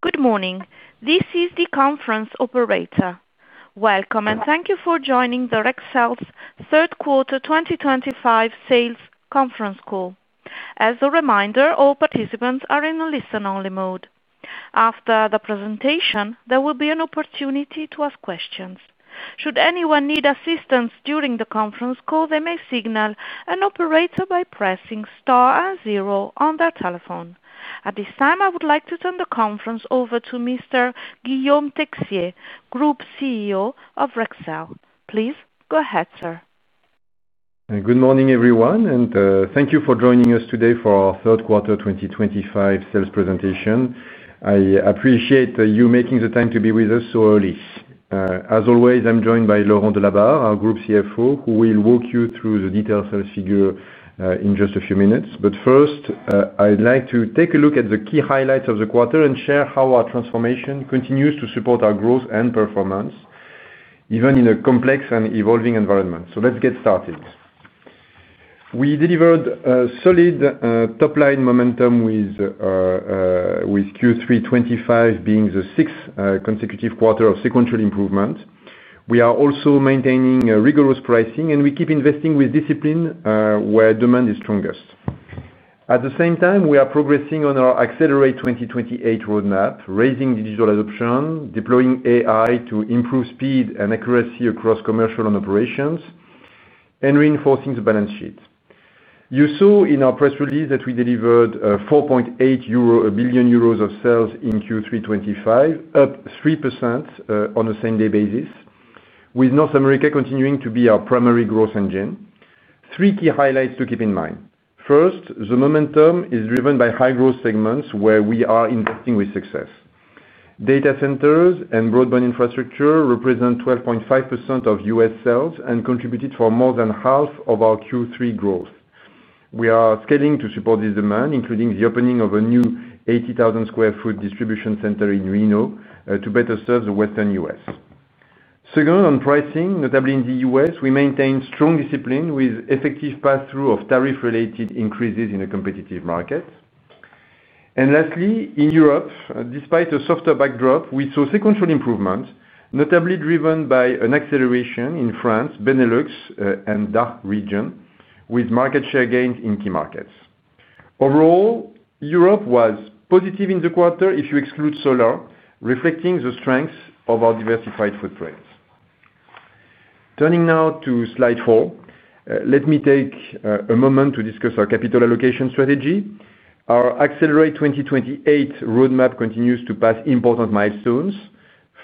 Good morning. This is the conference operator. Welcome, and thank you for joining Rexel's third quarter 2025 sales conference call. As a reminder, all participants are in a listen-only mode. After the presentation, there will be an opportunity to ask questions. Should anyone need assistance during the conference call, they may signal an operator by pressing star and zero on their telephone. At this time, I would like to turn the conference over to Mr. Guillaume Texier, Group CEO of Rexel. Please go ahead, sir. Good morning, everyone, and thank you for joining us today for our third quarter 2025 sales presentation. I appreciate you making the time to be with us so early. As always, I'm joined by Laurent Delabarre, our Group CFO, who will walk you through the detailed sales figures in just a few minutes. First, I'd like to take a look at the key highlights of the quarter and share how our transformation continues to support our growth and performance, even in a complex and evolving environment. Let's get started. We delivered solid top-line momentum with Q3 2025 being the sixth consecutive quarter of sequential improvement. We are also maintaining rigorous pricing, and we keep investing with discipline where demand is strongest. At the same time, we are progressing on our Accelerate 2028 roadmap, raising digital adoption, deploying AI to improve speed and accuracy across commercial and operations, and reinforcing the balance sheet. You saw in our press release that we delivered €4.8 billion of sales in Q3 2025, up 3% on a same-day basis, with North America continuing to be our primary growth engine. Three key highlights to keep in mind. First, the momentum is driven by high-growth segments where we are investing with success. Data centers and broadband infrastructure represent 12.5% of U.S. sales and contributed more than half of our Q3 growth. We are scaling to support this demand, including the opening of a new 80,000 sq ft distribution center in Reno to better serve the Western U.S. Second, on pricing, notably in the U.S., we maintain strong discipline with effective pass-through of tariff-related increases in a competitive market. Lastly, in Europe, despite a softer backdrop, we saw sequential improvements, notably driven by an acceleration in France, Benelux, and the DACH region, with market share gains in key markets. Overall, Europe was positive in the quarter if you exclude solar, reflecting the strengths of our diversified footprint. Turning now to slide four, let me take a moment to discuss our capital allocation strategy. Our Accelerate 2028 roadmap continues to pass important milestones.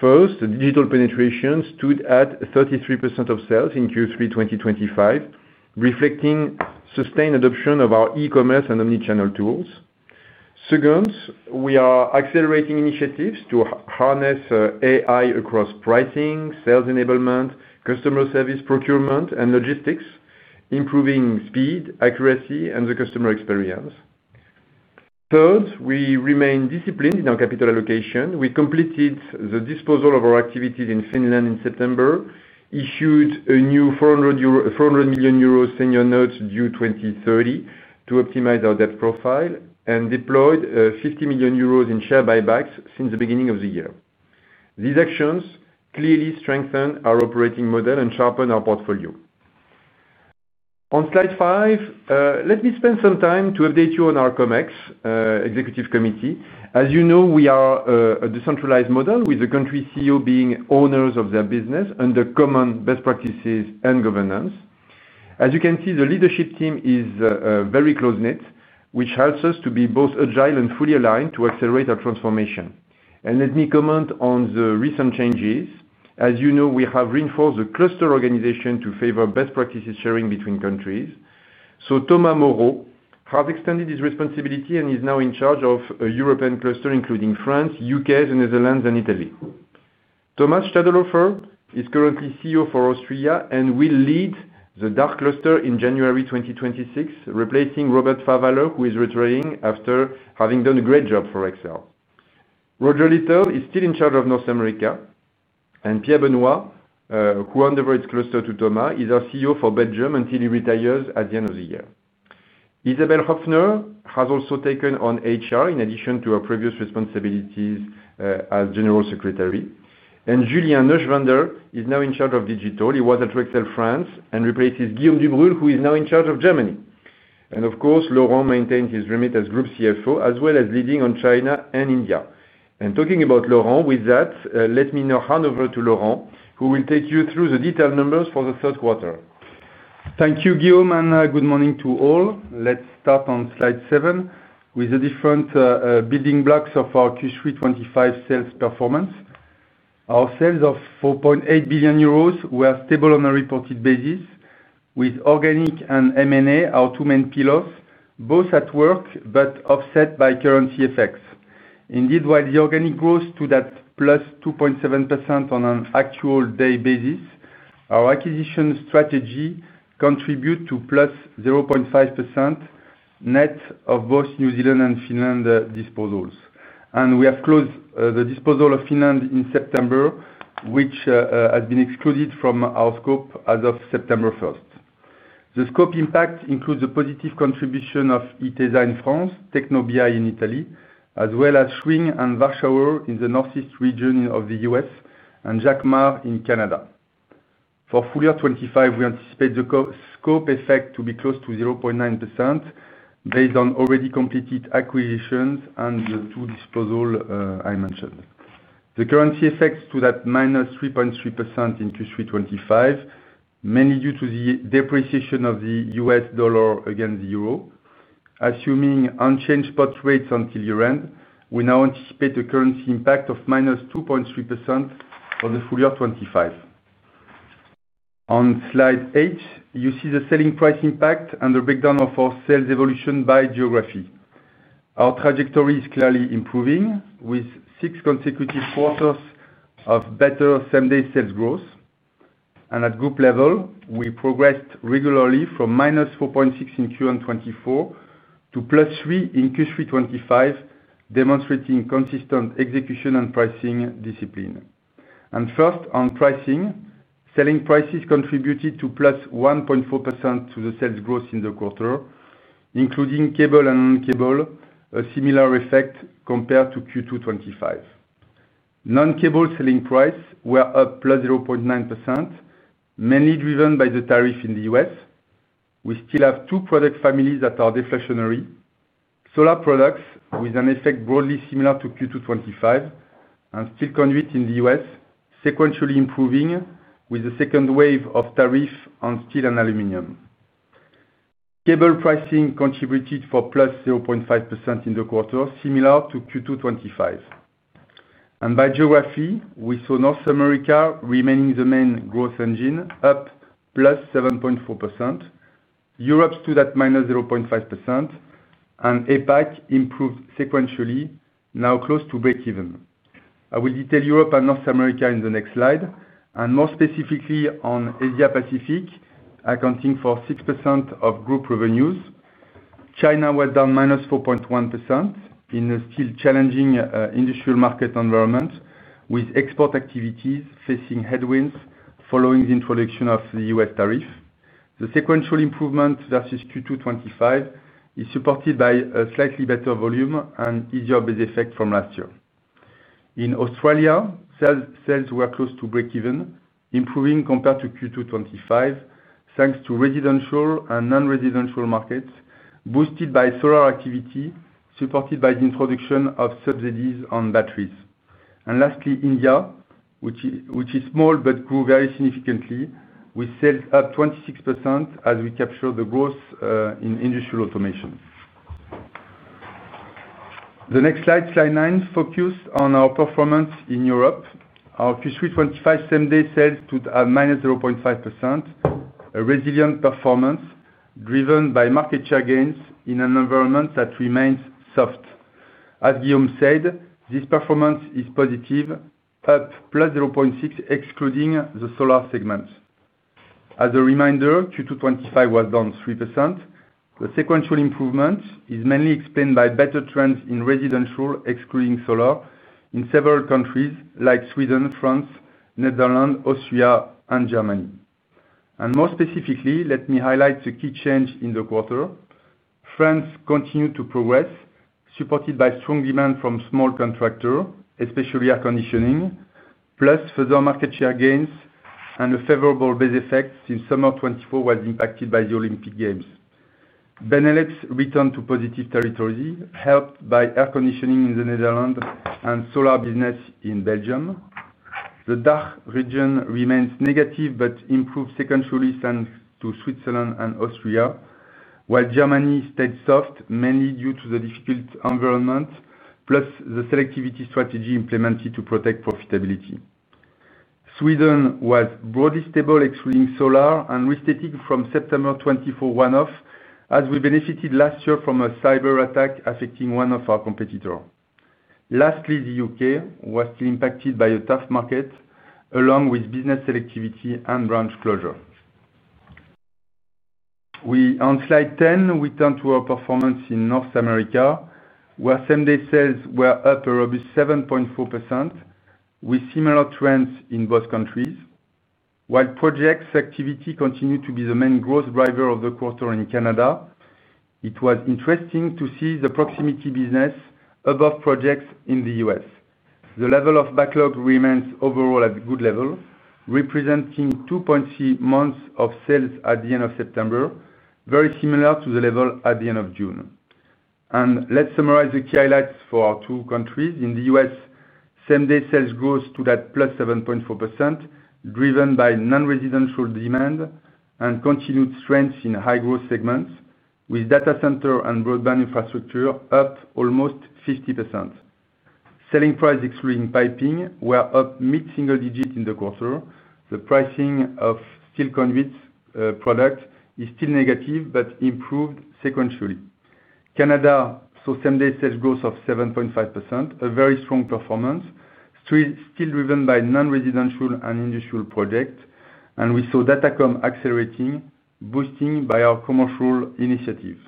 First, digital penetration stood at 33% of sales in Q3 2025, reflecting sustained adoption of our e-commerce and omnichannel tools. Second, we are accelerating initiatives to harness AI across pricing, sales enablement, customer service, procurement, and logistics, improving speed, accuracy, and the customer experience. Third, we remain disciplined in our capital allocation. We completed the disposal of our activities in Finland in September, issued a new €400 million senior note due 2030 to optimize our debt profile, and deployed €50 million in share buybacks since the beginning of the year. These actions clearly strengthen our operating model and sharpen our portfolio. On slide five, let me spend some time to update you on our COMEX Executive Committee. As you know, we are a decentralized model with the country's CEO being owners of their business under common best practices and governance. As you can see, the leadership team is very close-knit, which helps us to be both agile and fully aligned to accelerate our transformation. Let me comment on the recent changes. As you know, we have reinforced the cluster organization to favor best practices sharing between countries. Thomas Moreau has extended his responsibility and is now in charge of a European cluster, including France, U.K., the Netherlands, and Italy. Thomas Stadlhofer is currently CEO for Austria and will lead the DACH cluster in January 2026, replacing Robert Pfarrwaller, who is retiring after having done a great job for Rexel. Roger Little, who is still in charge of North America, and Pierre Benoit, who on the verge cluster to Thomas, is our CEO for Belgium until he retires at the end of the year. Isabelle Hofner has also taken on HR in addition to her previous responsibilities as General Secretary. Julien Neuschwander is now in charge of digital. He was at Rexel France and replaces Guillaume Dubrule, who is now in charge of Germany. Of course, Laurent maintained his remit as Group CFO, as well as leading on China and India. Talking about Laurent, with that, let me now hand over to Laurent, who will take you through the detailed numbers for the third quarter. Thank you, Guillaume, and good morning to all. Let's start on slide seven with the different building blocks of our Q3 2025 sales performance. Our sales of €4.8 billion were stable on a reported basis, with organic and M&A our two main pillars, both at work but offset by currency effects. Indeed, while the organic growth stood at +2.7% on an actual day basis, our acquisition strategy contributed to +0.5% net of both New Zealand and Finland disposals. We have closed the disposal of Finland in September, which has been excluded from our scope as of September 1. The scope impact includes the positive contribution of ITESA in France, TechnoBI in Italy, as well as Schwing and Warshauer in the northeast region of the U.S., and Jacquemart in Canada. For full year 2025, we anticipate the scope effect to be close to 0.9% based on already completed acquisitions and the two disposals I mentioned. The currency effects stood at -3.3% in Q3 2025, mainly due to the depreciation of the U.S. dollar against the euro. Assuming unchanged spot rates until year-end, we now anticipate a currency impact of -2.3% for the full year 2025. On slide eight, you see the selling price impact and the breakdown of our sales evolution by geography. Our trajectory is clearly improving, with six consecutive quarters of better same-day sales growth. At group level, we progressed regularly from -4.6% in Q1 2024 to +3% in Q3 2025, demonstrating consistent execution and pricing discipline. First on pricing, selling prices contributed +1.4% to the sales growth in the quarter, including cable and non-cable, a similar effect compared to Q2 2025. Non-cable selling prices were up +0.9%, mainly driven by the tariff in the U.S. We still have two product families that are deflationary: solar products with an effect broadly similar to Q2 2025 and steel conduit in the U.S., sequentially improving with the second wave of tariff on steel and aluminum. Cable pricing contributed +0.5% in the quarter, similar to Q2 2025. By geography, we saw North America remaining the main growth engine, up +7.4%. Europe stood at -0.5%, and APAC improved sequentially, now close to break-even. I will detail Europe and North America in the next slide, and more specifically on Asia-Pacific, accounting for 6% of group revenues. China was down -4.1% in a still challenging industrial market environment, with export activities facing headwinds following the introduction of the U.S. tariff. The sequential improvement versus Q2 2025 is supported by a slightly better volume and EGRB's effect from last year. In Australia, sales were close to break-even, improving compared to Q2 2025, thanks to residential and non-residential markets, boosted by solar activity, supported by the introduction of subsidies on batteries. Lastly, India, which is small but grew very significantly, with sales up 26% as we capture the growth in industrial automation. The next slide, slide nine, focuses on our performance in Europe. Our Q3 2025 same-day sales stood at -0.5%, a resilient performance driven by market share gains in an environment that remains soft. As Guillaume Texier said, this performance is positive, up +0.6% excluding the solar segment. As a reminder, Q2 2025 was down 3%. The sequential improvement is mainly explained by better trends in residential, excluding solar, in several countries like Sweden, France, Netherlands, Austria, and Germany. More specifically, let me highlight the key change in the quarter. France continued to progress, supported by strong demand from small contractors, especially air conditioning, plus further market share gains and a favorable base effect since summer 2024 was impacted by the Olympic Games. Benelux returned to positive territory, helped by air conditioning in the Netherlands and solar business in Belgium. The DACH region remains negative but improved sequentially thanks to Switzerland and Austria, while Germany stayed soft, mainly due to the difficult environment, plus the selectivity strategy implemented to protect profitability. Sweden was broadly stable, excluding solar and restating from September 2024 one-off, as we benefited last year from a cyber attack affecting one of our competitors. Lastly, the U.K. was still impacted by a tough market, along with business selectivity and branch closure. On slide 10, we turn to our performance in North America, where same-day sales were up a robust 7.4%, with similar trends in both countries. While projects activity continued to be the main growth driver of the quarter in Canada, it was interesting to see the proximity business above projects in the U.S. The level of backlog remains overall at a good level, representing 2.3 months of sales at the end of September, very similar to the level at the end of June. Let's summarize the key highlights for our two countries. In the U.S., same-day sales growth stood at +7.4%, driven by non-residential demand and continued strength in high-growth segments, with data center and broadband infrastructure up almost 50%. Selling prices, excluding piping, were up mid-single digit in the quarter. The pricing of steel conduit products is still negative, but improved sequentially. In Canada, same-day sales growth of 7.5%, a very strong performance, still driven by non-residential and industrial projects. We saw Datacom accelerating, boosted by our commercial initiative.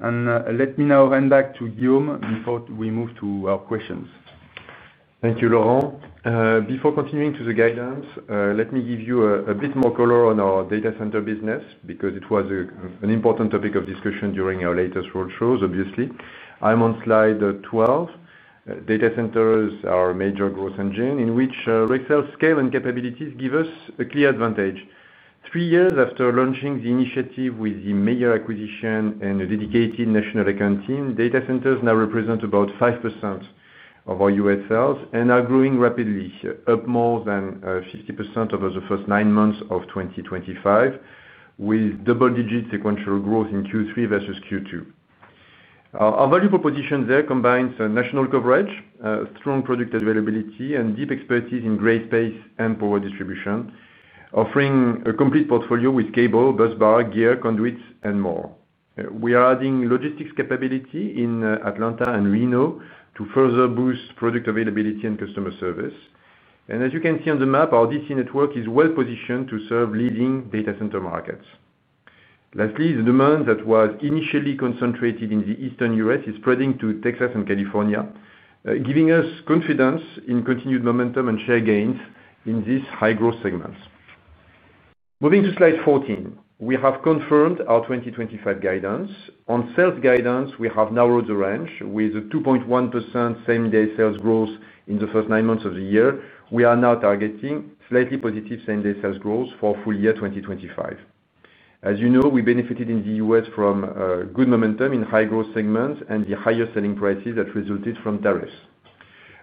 Let me now hand back to Guillaume before we move to our questions. Thank you, Laurent. Before continuing to the guidance, let me give you a bit more color on our data center business because it was an important topic of discussion during our latest world shows, obviously. I'm on slide 12. Data centers are a major growth engine in which Rexel's scale and capabilities give us a clear advantage. Three years after launching the initiative with the major acquisition and a dedicated national account team, data centers now represent about 5% of our U.S. sales and are growing rapidly, up more than 50% over the first nine months of 2025, with double-digit sequential growth in Q3 versus Q2. Our value proposition there combines national coverage, strong product availability, and deep expertise in grey space and power distribution, offering a complete portfolio with cable, busbar, gear, conduits, and more. We are adding logistics capability in Atlanta and Reno to further boost product availability and customer service. As you can see on the map, our DC network is well positioned to serve leading data center markets. Lastly, the demand that was initially concentrated in the Eastern U.S. is spreading to Texas and California, giving us confidence in continued momentum and share gains in these high-growth segments. Moving to slide 14, we have confirmed our 2025 guidance. On sales guidance, we have narrowed the range with a 2.1% same-day sales growth in the first nine months of the year. We are now targeting slightly positive same-day sales growth for full year 2025. As you know, we benefited in the U.S. from good momentum in high-growth segments and the higher selling prices that resulted from tariffs.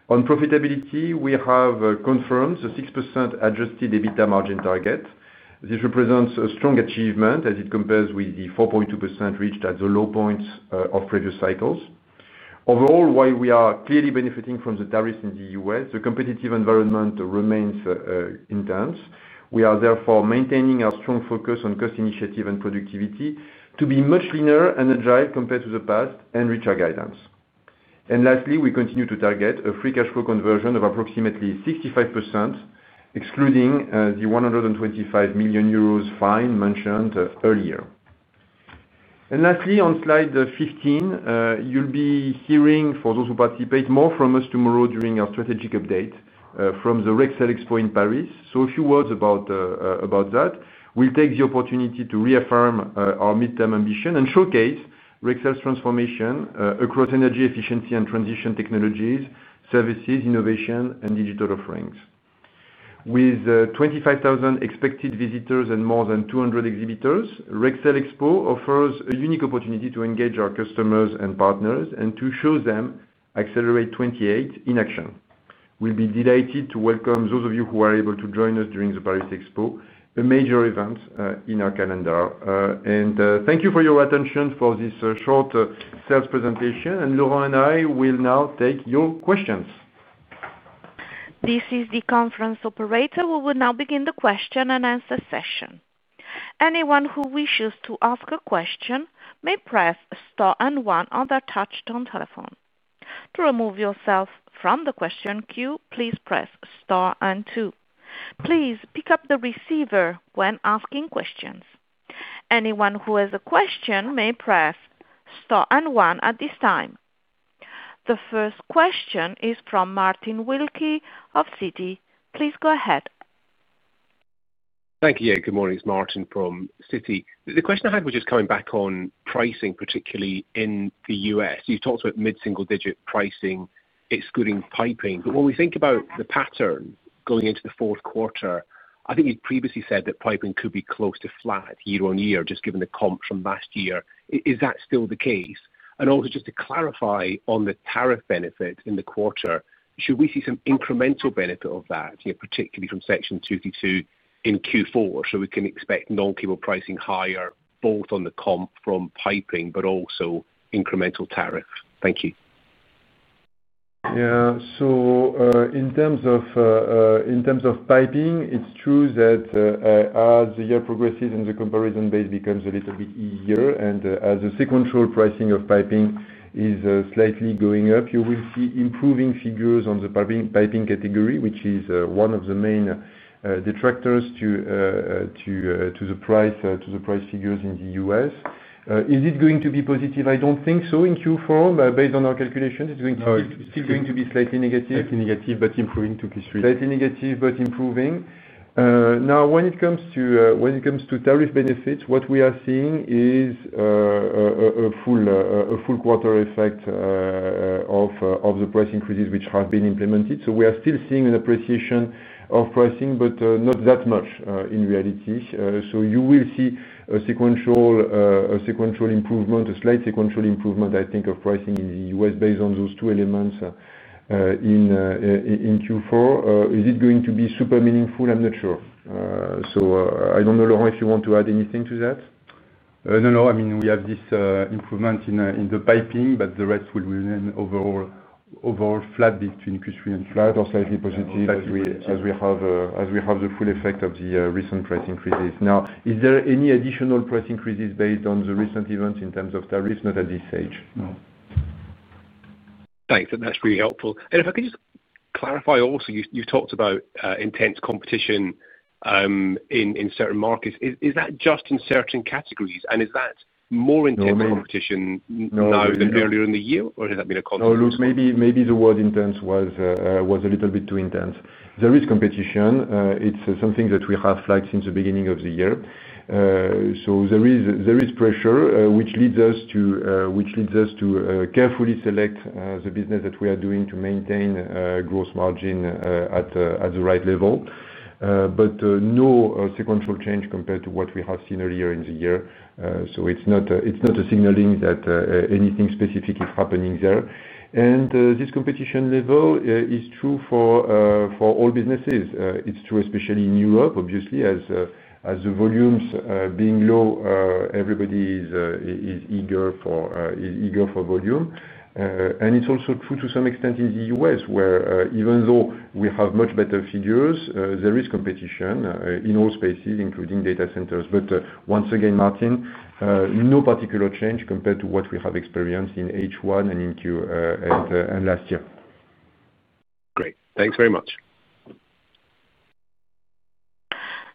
On profitability, we have confirmed the 6% adjusted EBITDA margin target. This represents a strong achievement as it compares with the 4.2% reached at the low points of previous cycles. Overall, while we are clearly benefiting from the tariffs in the U.S., the competitive environment remains intense. We are therefore maintaining our strong focus on cost initiative and productivity to be much leaner and agile compared to the past and reach our guidance. Lastly, we continue to target a free cash flow conversion of approximately 65%, excluding the €125 million fine mentioned earlier. Lastly, on slide 15, you'll be hearing for those who participate more from us tomorrow during our strategic update from the Rexel Expo in Paris. A few words about that. We'll take the opportunity to reaffirm our midterm ambition and showcase Rexel's transformation across energy efficiency and transition technologies, services, innovation, and digital offerings. With 25,000 expected visitors and more than 200 exhibitors, Rexel Expo offers a unique opportunity to engage our customers and partners and to show them Accelerate 2028 in action. We'll be delighted to welcome those of you who are able to join us during the Paris Expo, a major event in our calendar. Thank you for your attention for this short sales presentation. Laurent and I will now take your questions. This is the conference operator. We will now begin the question-and-answer session. Anyone who wishes to ask a question may press star and one on the touch-tone telephone. To remove yourself from the question queue, please press star and two. Please pick up the receiver when asking questions. Anyone who has a question may press star and one at this time. The first question is from Martin Wilkie of Citi. Please go ahead. Thank you. Yeah, good morning. It's Martin from Citi. The question I had was just coming back on pricing, particularly in the U.S. You've talked about mid-single-digit pricing excluding piping. When we think about the pattern going into the fourth quarter, I think you'd previously said that piping could be close to flat year on year, just given the comps from last year. Is that still the case? Also, just to clarify on the tariff benefit in the quarter, should we see some incremental benefit of that, particularly from section 22 in Q4? We can expect non-cable pricing higher both on the comp from piping but also incremental tariff. Thank you. Yeah, so in terms of piping, it's true that as the year progresses and the comparison base becomes a little bit easier, and as the sequential pricing of piping is slightly going up, you will see improving figures on the piping category, which is one of the main detractors to the price figures in the U.S. Is it going to be positive? I don't think so in Q4, but based on our calculations, it's still going to be slightly negative. Slightly negative, but improving to Q3. Slightly negative but improving. Now, when it comes to tariff benefits, what we are seeing is a full quarter effect of the price increases which have been implemented. We are still seeing an appreciation of pricing, but not that much in reality. You will see a sequential improvement, a slight sequential improvement, I think, of pricing in the U.S. based on those two elements in Q4. Is it going to be super meaningful? I'm not sure. I don't know, Laurent, if you want to add anything to that? No, no. I mean, we have this improvement in the piping, but the rest will remain overall flat between Q3 and Q4. Flat or slightly positive. As we have the full effect of the recent price increases, now, is there any additional price increases based on the recent events in terms of tariffs? Not at this stage. No. Thanks. That's really helpful. If I could just clarify also, you've talked about intense competition in certain markets. Is that just in certain categories? Is that more intense competition now than earlier in the year, or has that been a constant? No, look, maybe the word intense was a little bit too intense. There is competition. It's something that we have flagged since the beginning of the year. There is pressure, which leads us to carefully select the business that we are doing to maintain a gross margin at the right level. No sequential change compared to what we have seen earlier in the year. It's not a signaling that anything specific is happening there. This competition level is true for all businesses. It's true, especially in Europe, obviously, as the volumes being low, everybody is eager for volume. It's also true to some extent in the U.S., where even though we have much better figures, there is competition in all spaces, including data centers. Once again, Martin, no particular change compared to what we have experienced in H1 and last year. Great, thanks very much.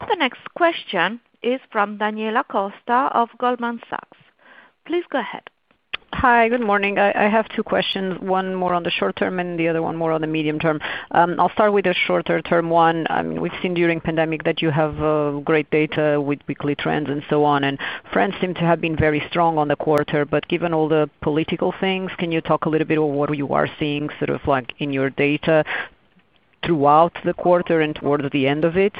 The next question is from Daniela Costa of Goldman Sachs. Please go ahead. Hi, good morning. I have two questions, one more on the short term and the other one more on the medium term. I'll start with the shorter term one. We've seen during the pandemic that you have great data with weekly trends and so on. France seemed to have been very strong on the quarter. Given all the political things, can you talk a little bit about what you are seeing sort of like in your data throughout the quarter and towards the end of it?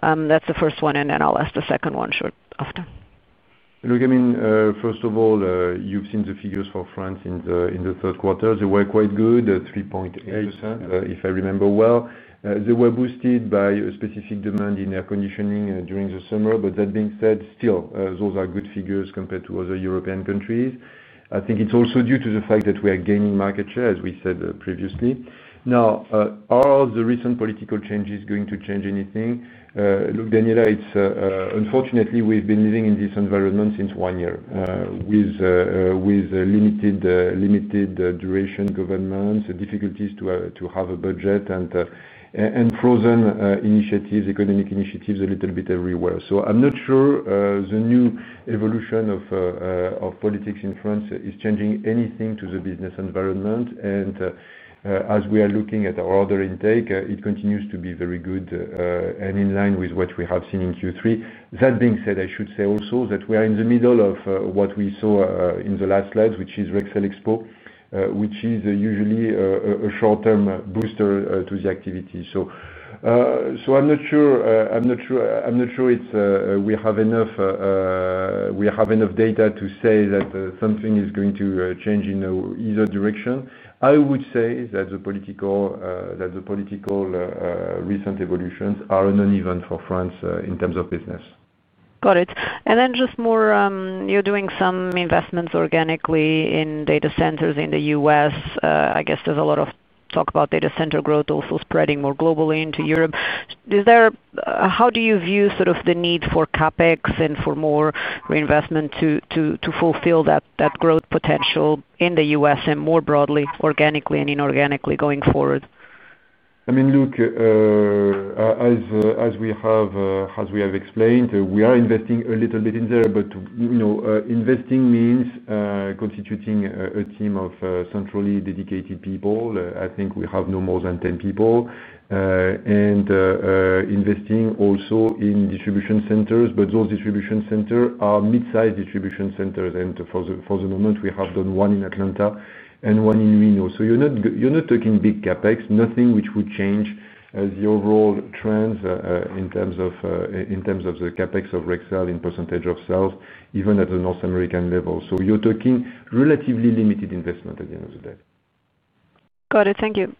That's the first one. I'll ask the second one shortly after. Look, I mean, first of all, you've seen the figures for France in the third quarter. They were quite good, 3.8%, if I remember well. They were boosted by a specific demand in air conditioning during the summer. That being said, still, those are good figures compared to other European countries. I think it's also due to the fact that we are gaining market share, as we said previously. Now, are the recent political changes going to change anything? Look, Daniela, unfortunately, we've been living in this environment since one year with limited duration governments, difficulties to have a budget, and frozen initiatives, economic initiatives a little bit everywhere. I'm not sure the new evolution of politics in France is changing anything to the business environment. As we are looking at our order intake, it continues to be very good and in line with what we have seen in Q3. That being said, I should say also that we are in the middle of what we saw in the last slides, which is Rexel Expo, which is usually a short-term booster to the activity. I'm not sure we have enough data to say that something is going to change in either direction. I would say that the political recent evolutions are a non-event for France in terms of business. Got it. Just more, you're doing some investments organically in data centers in the U.S. I guess there's a lot of talk about data center growth also spreading more globally into Europe. How do you view the need for CapEx and for more reinvestment to fulfill that growth potential in the U.S. and more broadly, organically and inorganically going forward? I mean, look, as we have explained, we are investing a little bit in there. Investing means constituting a team of centrally dedicated people. I think we have no more than 10 people. Investing also in distribution centers, but those distribution centers are mid-sized distribution centers. For the moment, we have done one in Atlanta and one in Reno. You're not talking big CapEx, nothing which would change the overall trends in terms of the CapEx of Rexel in % of sales, even at the North American level. You're talking relatively limited investment at the end of the day. Got it. Thank you.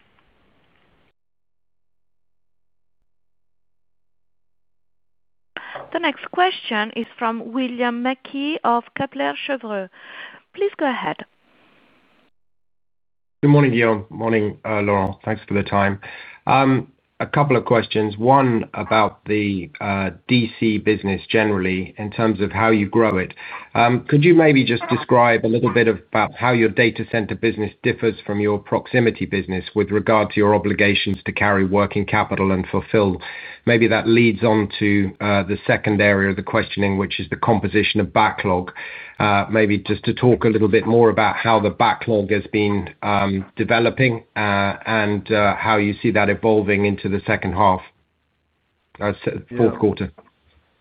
The next question is from William Mackie of Kepler Cheuvreux. Please go ahead. Good morning, Guillaume. Morning, Laurent. Thanks for the time. A couple of questions. One about the D.C. business generally in terms of how you grow it. Could you maybe just describe a little bit about how your data center business differs from your proximity business with regard to your obligations to carry working capital and fulfill? Maybe that leads on to the second area of the questioning, which is the composition of backlog. Maybe just to talk a little bit more about how the backlog has been developing and how you see that evolving into the second half, fourth quarter.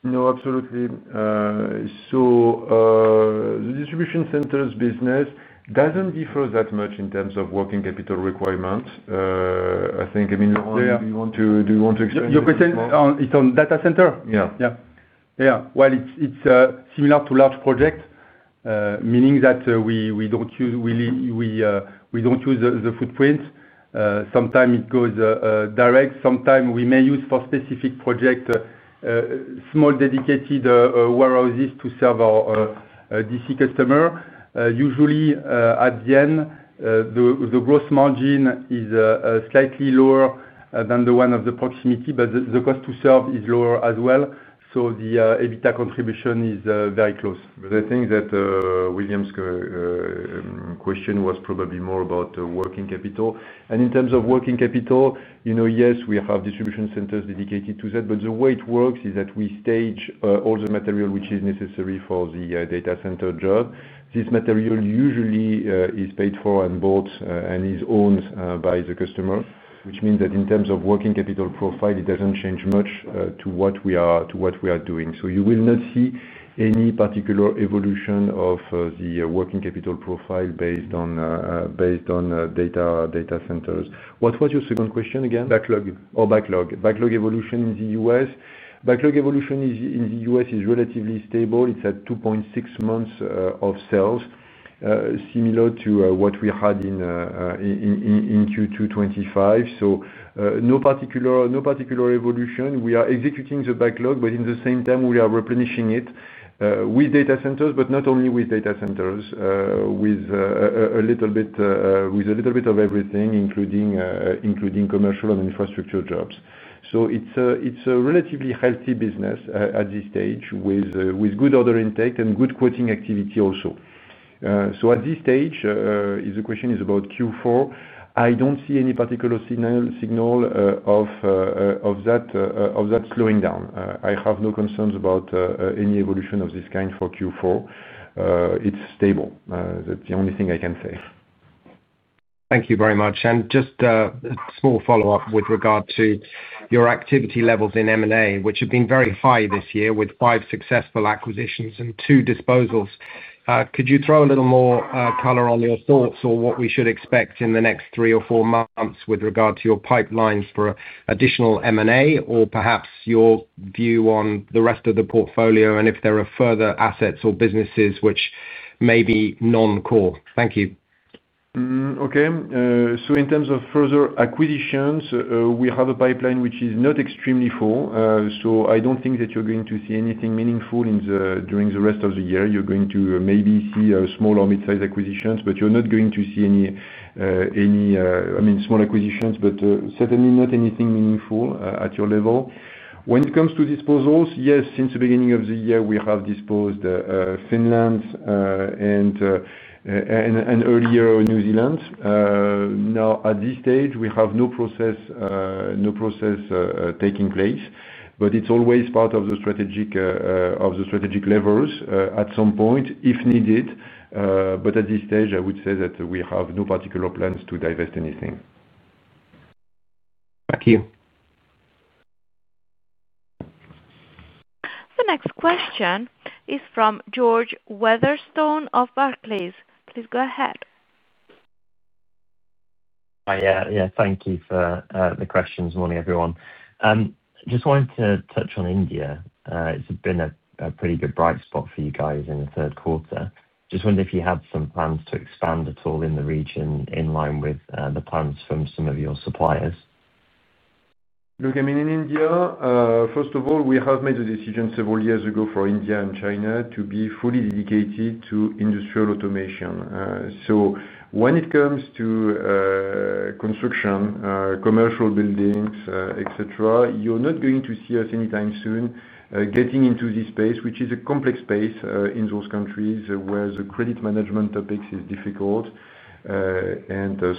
No, absolutely. The distribution centers' business doesn't differ that much in terms of working capital requirements. I think, do you want to expand? Your question, it's on data center? Yeah. Yeah. Yeah. It's similar to large projects, meaning that we don't use the footprint. Sometimes it goes direct. Sometimes we may use for specific projects small dedicated warehouses to serve our D.C. customers. Usually, at the end, the gross margin is slightly lower than the one of the proximity, but the cost to serve is lower as well. The EBITDA contribution is very close. I think that William's question was probably more about working capital. In terms of working capital, you know, yes, we have distribution centers dedicated to that. The way it works is that we stage all the material which is necessary for the data center job. This material usually is paid for and bought and is owned by the customer, which means that in terms of working capital profile, it doesn't change much to what we are doing. You will not see any particular evolution of the working capital profile based on data centers. What was your second question again. Backlog. Backlog evolution in the U.S. is relatively stable. It's at 2.6 months of sales, similar to what we had in Q2 2025. No particular evolution. We are executing the backlog, but at the same time, we are replenishing it with data centers, but not only with data centers, with a little bit of everything, including commercial and infrastructure jobs. It's a relatively healthy business at this stage with good order intake and good quoting activity also. At this stage, if the question is about Q4, I don't see any particular signal of that slowing down. I have no concerns about any evolution of this kind for Q4. It's stable. That's the only thing I can say. Thank you very much. Just a small follow-up with regard to your activity levels in M&A, which have been very high this year with five successful acquisitions and two disposals. Could you throw a little more color on your thoughts or what we should expect in the next three or four months with regard to your pipelines for additional M&A or perhaps your view on the rest of the portfolio and if there are further assets or businesses which may be non-core? Thank you. Okay. In terms of further acquisitions, we have a pipeline which is not extremely full. I don't think that you're going to see anything meaningful during the rest of the year. You're going to maybe see small or mid-sized acquisitions, but you're not going to see any, I mean, small acquisitions, but certainly not anything meaningful at your level. When it comes to disposals, yes, since the beginning of the year, we have disposed Finland and earlier New Zealand. At this stage, we have no process taking place, but it's always part of the strategic levers at some point if needed. At this stage, I would say that we have no particular plans to divest anything. Thank you. The next question is from George Featherstone of Barclays. Please go ahead. Thank you for the questions. Morning, everyone. Just wanted to touch on India. It's been a pretty good bright spot for you guys in the third quarter. Just wondered if you had some plans to expand at all in the region in line with the plans from some of your suppliers. Look, I mean, in India, first of all, we have made a decision several years ago for India and China to be fully dedicated to industrial automation. When it comes to construction, commercial buildings, etc., you're not going to see us anytime soon getting into this space, which is a complex space in those countries where the credit management topics are difficult.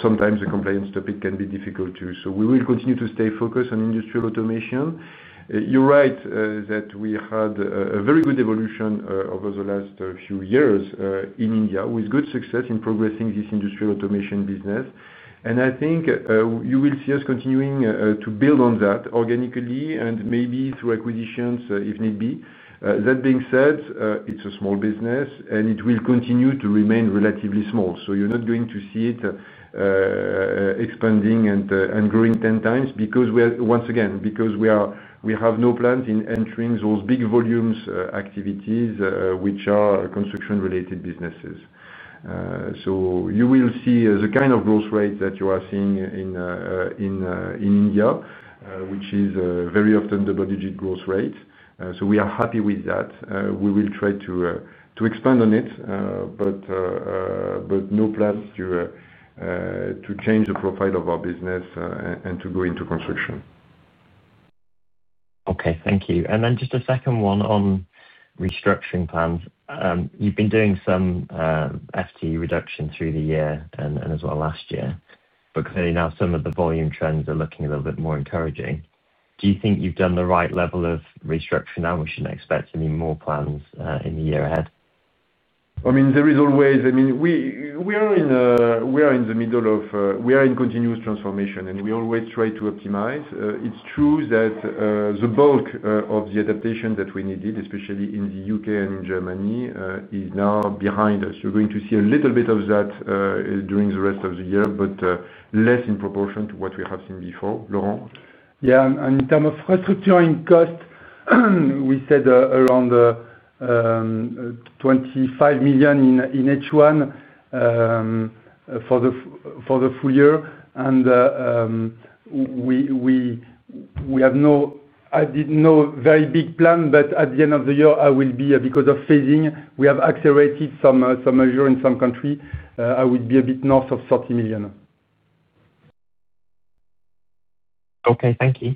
Sometimes the compliance topic can be difficult too. We will continue to stay focused on industrial automation. You're right that we had a very good evolution over the last few years in India with good success in progressing this industrial automation business. I think you will see us continuing to build on that organically and maybe through acquisitions if need be. That being said, it's a small business and it will continue to remain relatively small. You're not going to see it expanding and growing 10x because we are, once again, because we have no plans in entering those big volumes activities, which are construction-related businesses. You will see the kind of growth rate that you are seeing in India, which is very often double-digit growth rate. We are happy with that. We will try to expand on it, but no plans to change the profile of our business and to go into construction. Okay, thank you. Just a second one on restructuring plans. You've been doing some FTE reduction through the year and as well last year. Clearly, now some of the volume trends are looking a little bit more encouraging. Do you think you've done the right level of restructuring now? We shouldn't expect any more plans in the year ahead. We are in continuous transformation and we always try to optimize. It's true that the bulk of the adaptation that we needed, especially in the U.K. and in Germany, is now behind us. You're going to see a little bit of that during the rest of the year, but less in proportion to what we have seen before, Laurent. Yeah, in terms of restructuring costs, we said around €25 million in H1 for the full year. We have no, I didn't know a very big plan, but at the end of the year, I will be, because of phasing, we have accelerated some measure in some country, I would be a bit north of €30 million. Okay, thank you.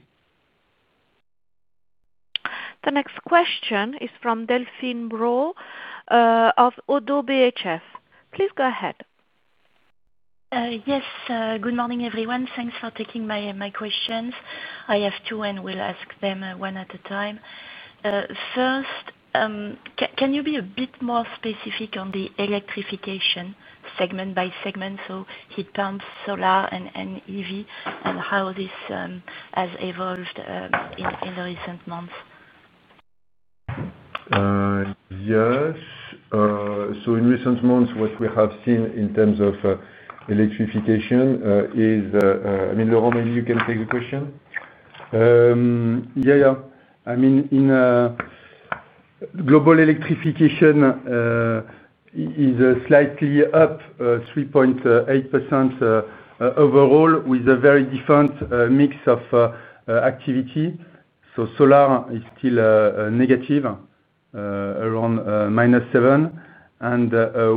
The next question is from Delphine Brault of Oddo BHF. Please go ahead. Yes, good morning, everyone. Thanks for taking my questions. I have two and will ask them one at a time. First, can you be a bit more specific on the electrification segment by segment, so heat pumps, solar, and EV, and how this has evolved in the recent months? Yes. In recent months, what we have seen in terms of electrification is, I mean, Laurent, maybe you can take the question? Yeah, yeah. I mean, global electrification is slightly up 3.8% overall with a very different mix of activity. Solar is still negative, around minus 7%.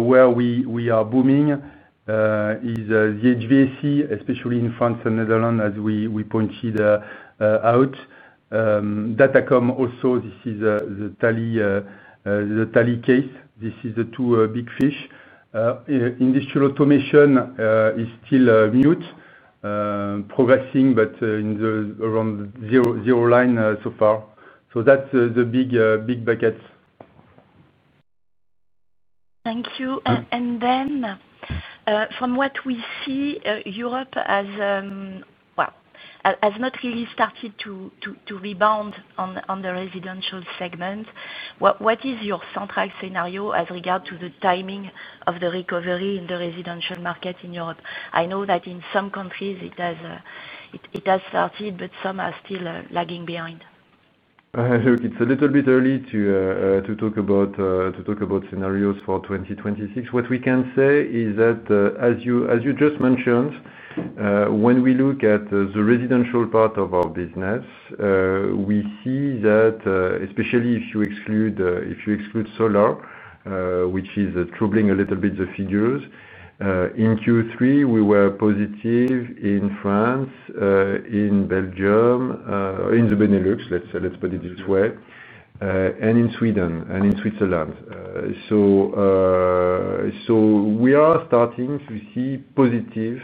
Where we are booming is the HVAC, especially in France and Netherlands, as we pointed out. Datacom also, this is the tally case. This is the two big fish. Industrial automation is still mute, progressing, but in the around zero line so far. That's the big buckets. Thank you. From what we see, Europe has not really started to rebound on the residential segment. What is your central scenario as regard to the timing of the recovery in the residential market in Europe? I know that in some countries it has started, but some are still lagging behind. Look, it's a little bit early to talk about scenarios for 2026. What we can say is that, as you just mentioned, when we look at the residential part of our business, we see that, especially if you exclude solar, which is troubling a little bit the figures, in Q3, we were positive in France, in Belgium, in the Benelux, let's put it this way, and in Sweden and in Switzerland. We are starting to see positive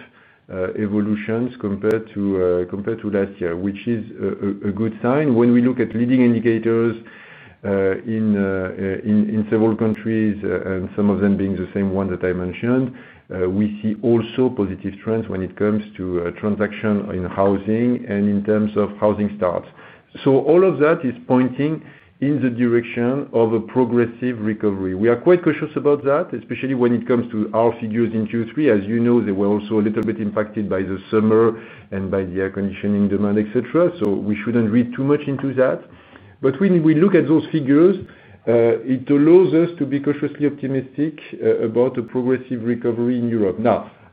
evolutions compared to last year, which is a good sign. When we look at leading indicators in several countries, and some of them being the same ones that I mentioned, we see also positive trends when it comes to transaction in housing and in terms of housing starts. All of that is pointing in the direction of a progressive recovery. We are quite cautious about that, especially when it comes to our figures in Q3. As you know, they were also a little bit impacted by the summer and by the air conditioning demand, etc. We shouldn't read too much into that. When we look at those figures, it allows us to be cautiously optimistic about a progressive recovery in Europe.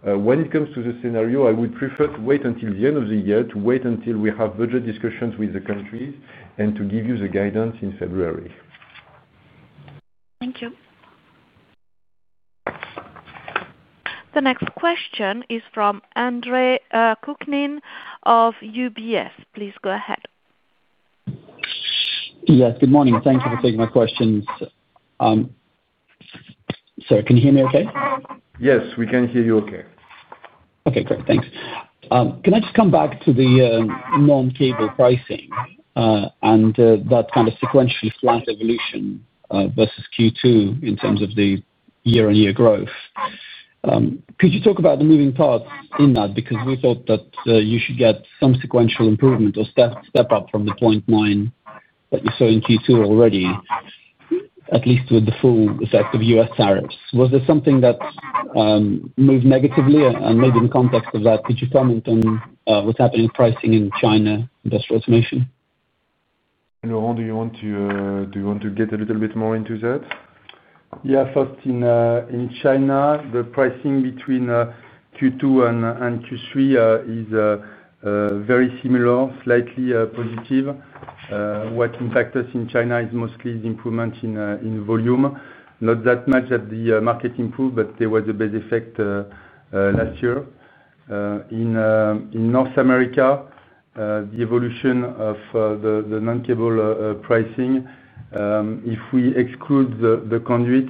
Now, when it comes to the scenario, I would prefer to wait until the end of the year, to wait until we have budget discussions with the countries and to give you the guidance in February. Thank you. The next question is from Andre Kukhnin of UBS. Please go ahead. Yes, good morning. Thank you for taking my questions. Sorry, can you hear me okay? Yes, we can hear you okay. Okay, great. Thanks. Can I just come back to the non-cable pricing and that kind of sequential flight evolution versus Q2 in terms of the year-on-year growth? Could you talk about the moving parts in that? We thought that you should get some sequential improvement or step up from the 0.9% that you saw in Q2 already, at least with the full effect of U.S. tariffs. Was there something that moved negatively? Maybe in context of that, could you comment on what's happening with pricing in China industrial automation? Laurent, do you want to get a little bit more into that? Yeah, first, in China, the pricing between Q2 and Q3 is very similar, slightly positive. What impacted us in China is mostly the improvement in volume. Not that much that the market improved, but there was a base effect last year. In North America, the evolution of the non-cable pricing, if we exclude the conduit,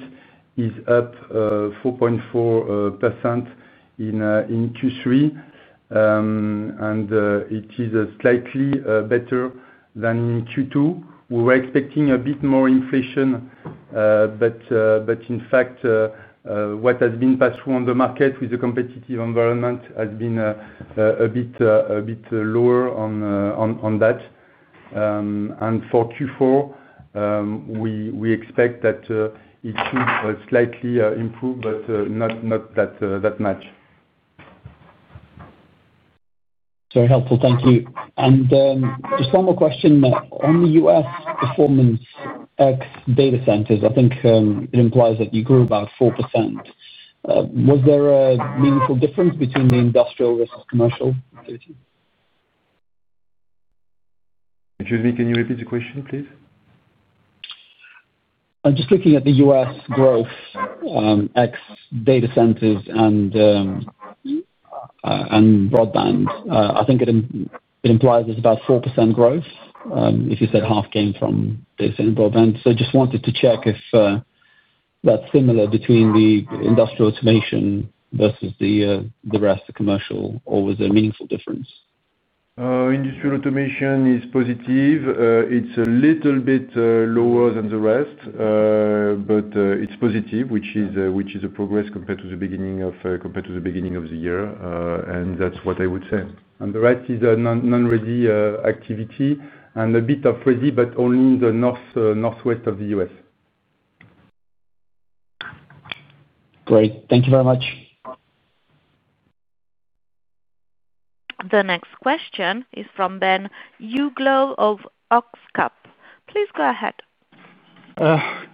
is up 4.4% in Q3. It is slightly better than in Q2. We were expecting a bit more inflation, but in fact, what has been passed through on the market with the competitive environment has been a bit lower on that. For Q4, we expect that it should slightly improve, but not that much. Very helpful. Thank you. Just one more question. On the U.S. performance ex data centers, I think it implies that you grew about 4%. Was there a meaningful difference between the industrial versus commercial activity? Excuse me, can you repeat the question, please? I'm just looking at the U.S. growth ex data centers and broadband. I think it implies there's about 4% growth if you said half came from data center broadband. I just wanted to check if that's similar between the industrial automation versus the rest, the commercial, or was there a meaningful difference? Industrial automation is positive. It's a little bit lower than the rest, but it's positive, which is a progress compared to the beginning of the year. That's what I would say. The rest is a non-ready activity and a bit of ready, but only in the northwest of the U.S. Great, thank you very much. The next question is from Ben Uglow of Oxcap. Please go ahead.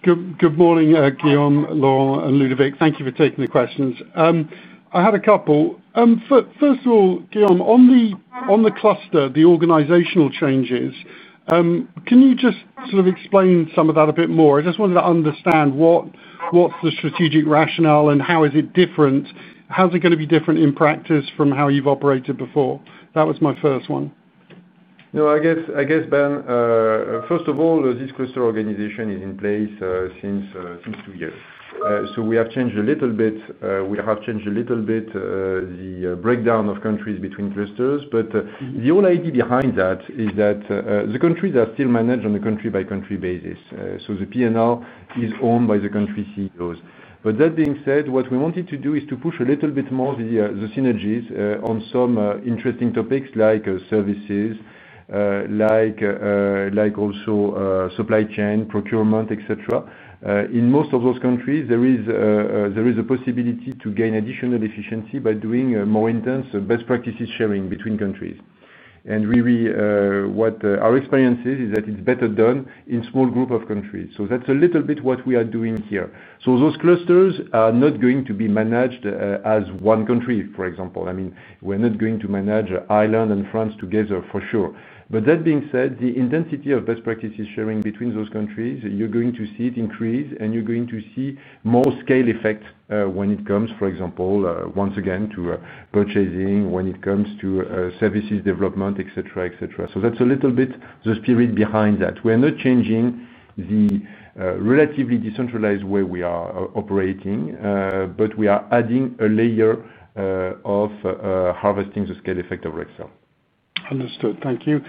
Good morning, Guillaume, Laurent, and Ludovic. Thank you for taking the questions. I had a couple. First of all, Guillaume, on the cluster, the organizational changes, can you just sort of explain some of that a bit more? I just wanted to understand what's the strategic rationale and how is it different? How's it going to be different in practice from how you've operated before? That was my first one. No, I guess, Ben, first of all, this cluster organization is in place since two years. We have changed a little bit. We have changed a little bit the breakdown of countries between clusters. The whole idea behind that is that the countries are still managed on a country-by-country basis. The P&L is owned by the country CEOs. That being said, what we wanted to do is to push a little bit more the synergies on some interesting topics like services, like also supply chain, procurement, etc. In most of those countries, there is a possibility to gain additional efficiency by doing more intense best practices sharing between countries. Really, what our experience is, is that it's better done in a small group of countries. That's a little bit what we are doing here. Those clusters are not going to be managed as one country, for example. I mean, we're not going to manage Ireland and France together for sure. That being said, the intensity of best practices sharing between those countries, you're going to see it increase, and you're going to see more scale effect when it comes, for example, once again, to purchasing, when it comes to services development, etc., etc. That's a little bit the spirit behind that. We are not changing the relatively decentralized way we are operating, but we are adding a layer of harvesting the scale effect of Rexel. Thank you.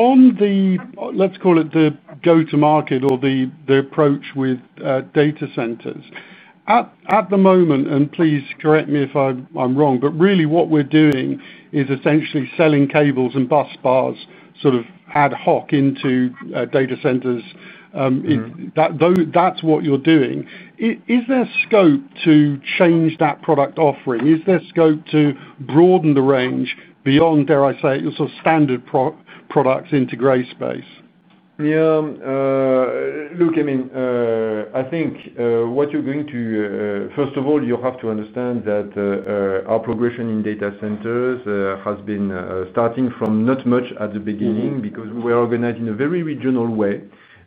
On the, let's call it the go-to-market or the approach with data centers. At the moment, and please correct me if I'm wrong, but really what we're doing is essentially selling cables and bus bars sort of ad hoc into data centers. That's what you're doing. Is there scope to change that product offering? Is there scope to broaden the range beyond, dare I say, your sort of standard products into grey space? Yeah. Look, I mean, I think what you're going to, first of all, you have to understand that our progression in data centers has been starting from not much at the beginning because we were organized in a very regional way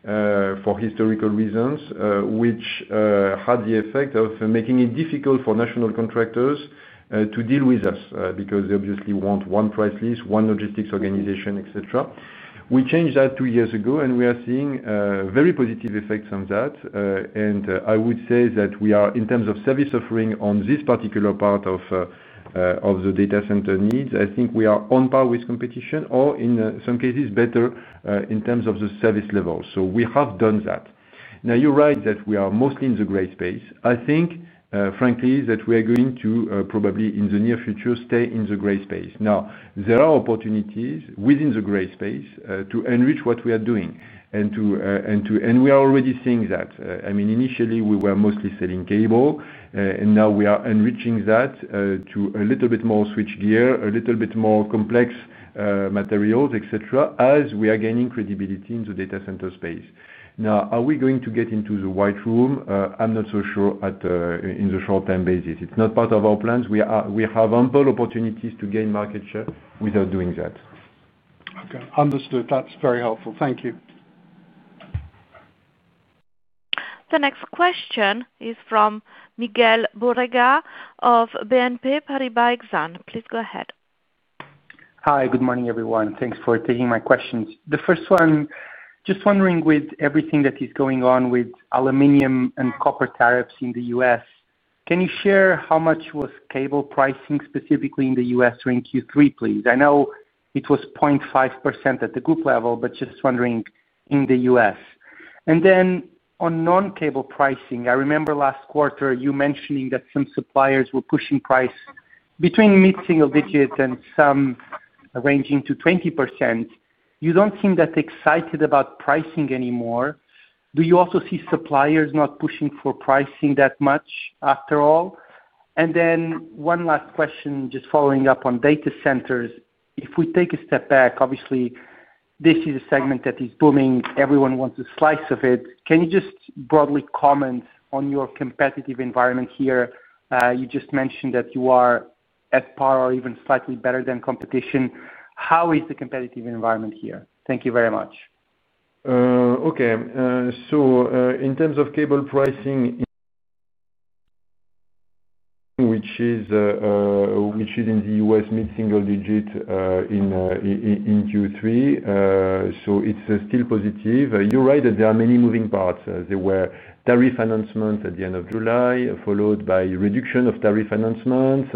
for historical reasons, which had the effect of making it difficult for national contractors to deal with us because they obviously want one price list, one logistics organization, etc. We changed that two years ago, and we are seeing very positive effects on that. I would say that we are, in terms of service offering on this particular part of the data center needs, I think we are on par with competition or, in some cases, better in terms of the service level. We have done that. You're right that we are mostly in the grey space. I think, frankly, that we are going to probably, in the near future, stay in the grey space. There are opportunities within the grey space to enrich what we are doing. We are already seeing that. Initially, we were mostly selling cable, and now we are enriching that to a little bit more switchgear, a little bit more complex materials, etc., as we are gaining credibility in the data center space. Now, are we going to get into the white room? I'm not so sure in the short-term basis. It's not part of our plans. We have ample opportunities to gain market share without doing that. Okay. Understood. That's very helpful. Thank you. The next question is from Miguel Borrega of BNP Paribas Exane. Please go ahead. Hi, good morning, everyone. Thanks for taking my questions. The first one, just wondering, with everything that is going on with aluminum and copper tariffs in the U.S., can you share how much was cable pricing specifically in the U.S. during Q3, please? I know it was 0.5% at the group level, but just wondering in the U.S. On non-cable pricing, I remember last quarter you mentioning that some suppliers were pushing price between mid-single digits and some ranging to 20%. You don't seem that excited about pricing anymore. Do you also see suppliers not pushing for pricing that much after all? One last question, just following up on data centers. If we take a step back, obviously, this is a segment that is booming. Everyone wants a slice of it. Can you just broadly comment on your competitive environment here? You just mentioned that you are at par or even slightly better than competition. How is the competitive environment here? Thank you very much. Okay. In terms of cable pricing, which is in the U.S. mid-single digit in Q3, it's still positive. You're right that there are many moving parts. There were tariff announcements at the end of July, followed by reduction of tariff announcements,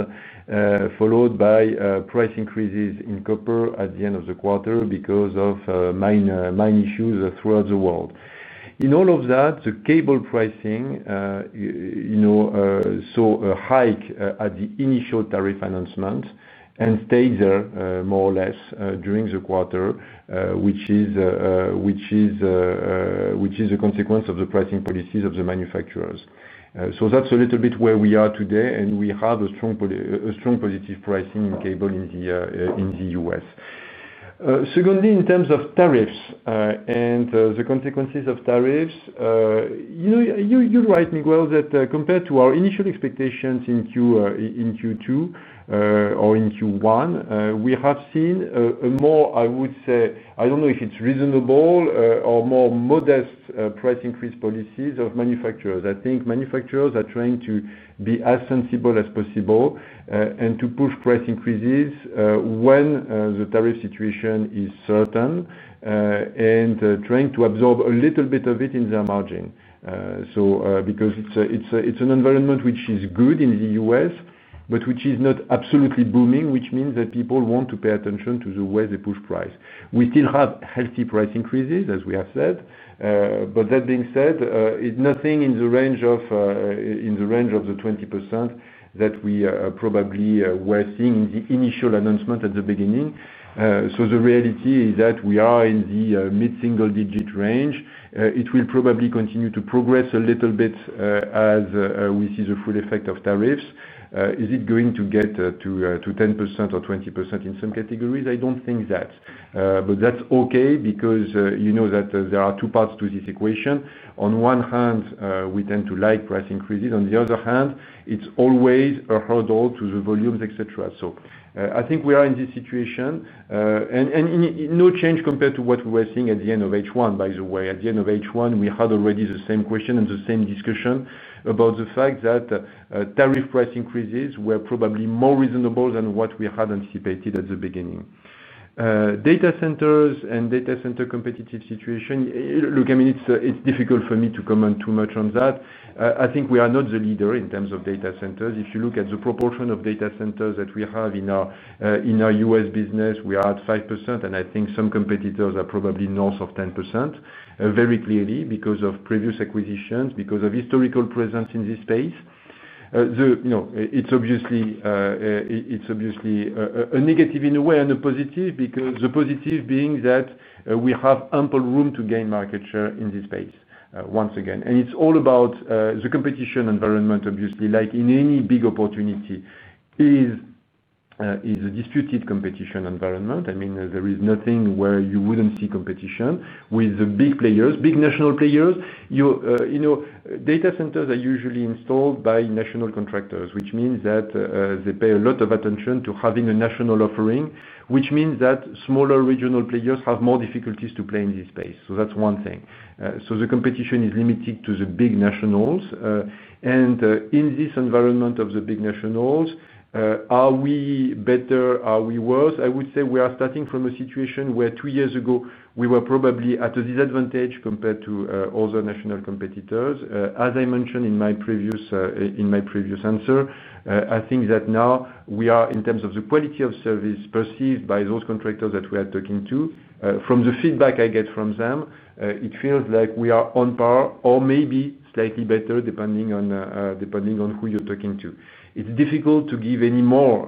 followed by price increases in copper at the end of the quarter because of mine issues throughout the world. In all of that, the cable pricing saw a hike at the initial tariff announcement and stayed there more or less during the quarter, which is a consequence of the pricing policies of the manufacturers. That's a little bit where we are today, and we have a strong positive pricing in cable in the U.S. Secondly, in terms of tariffs and the consequences of tariffs, you're right, Miguel, that compared to our initial expectations in Q2 or in Q1, we have seen a more, I would say, I don't know if it's reasonable or more modest price increase policies of manufacturers. I think manufacturers are trying to be as sensible as possible and to push price increases when the tariff situation is certain and trying to absorb a little bit of it in their margin. It's an environment which is good in the U.S., but which is not absolutely booming, which means that people want to pay attention to the way they push price. We still have healthy price increases, as we have said. That being said, nothing in the range of the 20% that we probably were seeing in the initial announcement at the beginning. The reality is that we are in the mid-single digit range. It will probably continue to progress a little bit as we see the full effect of tariffs. Is it going to get to 10% or 20% in some categories? I don't think that. That's okay because you know that there are two parts to this equation. On one hand, we tend to like price increases. On the other hand, it's always a hurdle to the volumes, etc. I think we are in this situation. No change compared to what we were seeing at the end of H1, by the way. At the end of H1, we had already the same question and the same discussion about the fact that tariff price increases were probably more reasonable than what we had anticipated at the beginning. Data centers and data center competitive situation, look, I mean, it's difficult for me to comment too much on that. I think we are not the leader in terms of data centers. If you look at the proportion of data centers that we have in our U.S. business, we are at 5%. I think some competitors are probably north of 10% very clearly because of previous acquisitions, because of historical presence in this space. It's obviously a negative in a way and a positive because the positive being that we have ample room to gain market share in this space, once again. It's all about the competition environment, obviously, like in any big opportunity is a disputed competition environment. There is nothing where you wouldn't see competition with the big players, big national players. You know, data centers are usually installed by national contractors, which means that they pay a lot of attention to having a national offering, which means that smaller regional players have more difficulties to play in this space. That's one thing. The competition is limited to the big nationals. In this environment of the big nationals, are we better? Are we worse? I would say we are starting from a situation where two years ago, we were probably at a disadvantage compared to all the national competitors. As I mentioned in my previous answer, I think that now we are, in terms of the quality of service perceived by those contractors that we are talking to, from the feedback I get from them, it feels like we are on par or maybe slightly better, depending on who you're talking to. It's difficult to give any more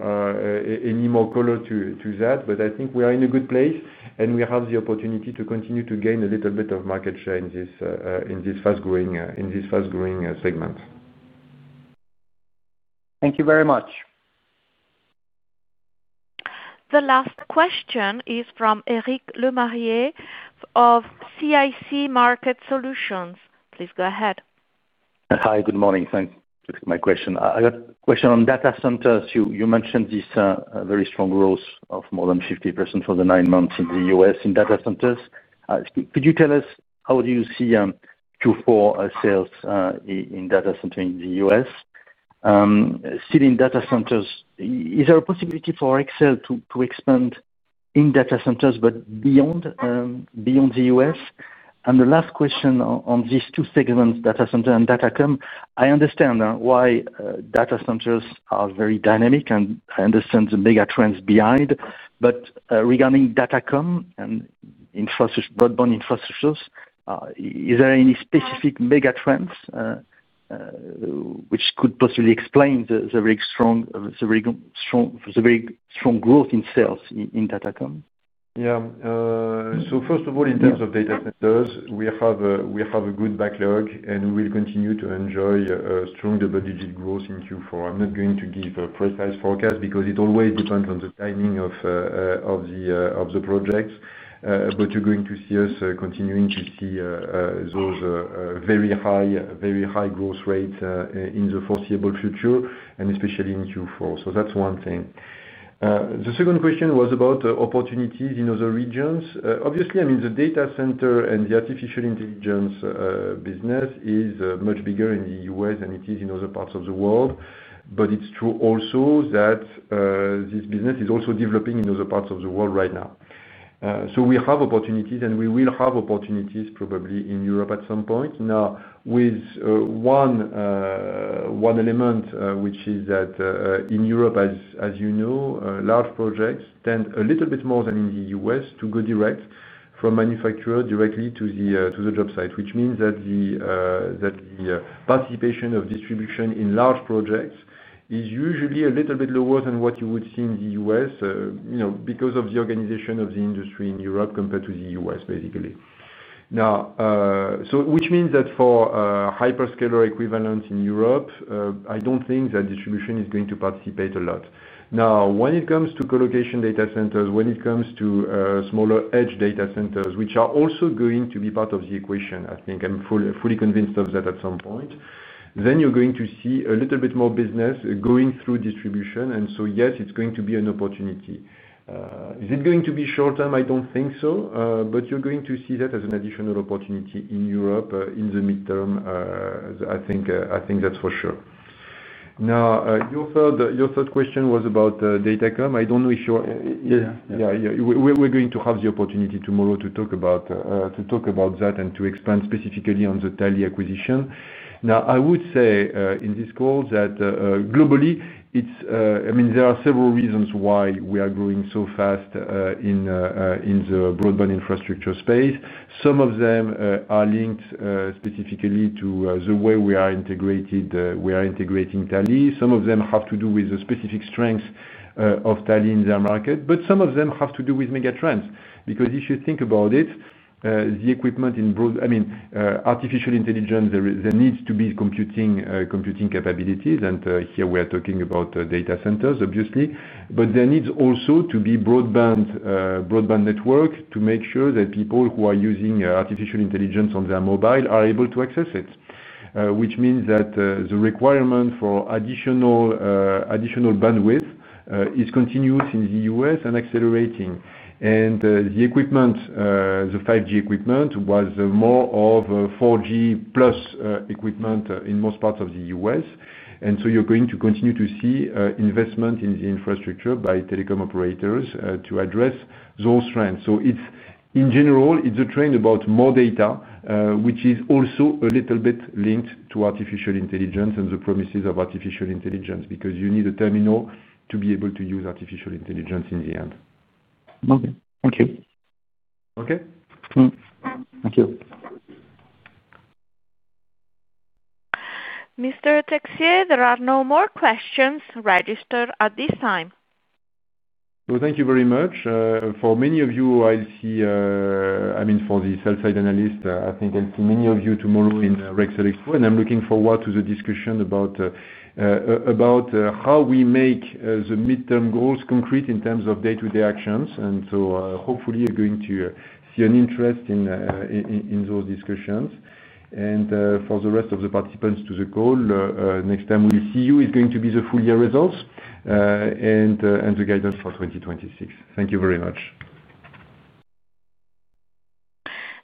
color to that, but I think we are in a good place, and we have the opportunity to continue to gain a little bit of market share in this fast-growing segment. Thank you very much. The last question is from Eric Lemarié of CIC Market Solutions. Please go ahead. Hi, good morning. Thanks for my question. I got a question on data centers. You mentioned this very strong growth of more than 50% for the nine months in the U.S. in data centers. Could you tell us how do you see Q4 sales in data centers in the U.S.? Still in data centers, is there a possibility for Rexel to expand in data centers, but beyond the U.S.? The last question on these two segments, data center and Datacom, I understand why data centers are very dynamic, and I understand the megatrends behind. Regarding Datacom and broadband infrastructure, is there any specific megatrends which could possibly explain the very strong growth in sales in Datacom? Yeah. First of all, in terms of data centers, we have a good backlog, and we will continue to enjoy strong double-digit growth in Q4. I'm not going to give a precise forecast because it always depends on the timing of the projects. You're going to see us continuing to see those very high growth rates in the foreseeable future, especially in Q4. That's one thing. The second question was about opportunities in other regions. Obviously, the data center and the artificial intelligence business is much bigger in the U.S. than it is in other parts of the world. It's true also that this business is also developing in other parts of the world right now. We have opportunities, and we will have opportunities probably in Europe at some point. Now, with one element, which is that in Europe, as you know, large projects tend a little bit more than in the U.S. to go direct from manufacturer directly to the job site, which means that the participation of distribution in large projects is usually a little bit lower than what you would see in the U.S. because of the organization of the industry in Europe compared to the U.S., basically. Which means that for hyperscaler equivalents in Europe, I don't think that distribution is going to participate a lot. When it comes to colocation data centers, when it comes to smaller edge data centers, which are also going to be part of the equation, I think I'm fully convinced of that at some point, then you're going to see a little bit more business going through distribution. Yes, it's going to be an opportunity. Is it going to be short-term? I don't think so. You're going to see that as an additional opportunity in Europe in the midterm, I think that's for sure. Your third question was about Datacom. I don't know if you're. Yeah, yeah. Yeah, yeah. We're going to have the opportunity tomorrow to talk about that and to expand specifically on the Tally acquisition. Now, I would say in this call that globally, I mean, there are several reasons why we are growing so fast in the broadband infrastructure space. Some of them are linked specifically to the way we are integrating Tally. Some of them have to do with the specific strengths of Tally in their market, but some of them have to do with megatrends. If you think about it, the equipment in broadband, I mean, artificial intelligence, there needs to be computing capabilities. Here we are talking about data centers, obviously. There needs also to be broadband network to make sure that people who are using artificial intelligence on their mobile are able to access it, which means that the requirement for additional bandwidth is continuous in the U.S., and accelrating. and accelerating. The equipment, the 5G equipment, was more of 4G+ equipment in most parts of the U.S. You're going to continue to see investment in the infrastructure by telecom operators to address those strengths. In general, it's a trend about more data, which is also a little bit linked to artificial intelligence and the promises of artificial intelligence because you need a terminal to be able to use artificial intelligence in the end. Okay, thank you. Okay. Thank you. Mr. Texier, there are no more questions registered at this time. Thank you very much. For many of you, I'll see, I mean, for the sell-side analysts, I think I'll see many of you tomorrow in Rexel Expo. I'm looking forward to the discussion about how we make the midterm goals concrete in terms of day-to-day actions. Hopefully, you're going to see an interest in those discussions. For the rest of the participants to the call, next time we'll see you is going to be the full-year results and the guidance for 2026. Thank you very much.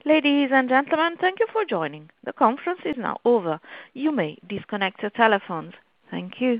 Ladies and gentlemen, thank you for joining. The conference is now over. You may disconnect your telephones. Thank you.